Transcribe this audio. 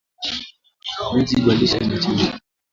Mindji balisha ichamusha